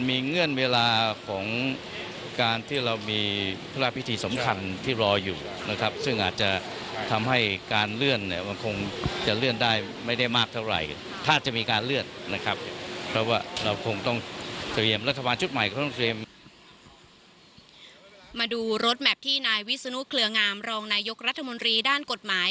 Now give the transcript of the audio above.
มาดูรถแมพที่นายวิศนุเครืองามรองนายกรัฐมนตรีด้านกฎหมาย